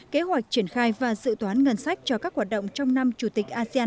kế hoạch triển khai và dự toán ngân sách cho các hoạt động trong năm chủ tịch asean hai nghìn hai mươi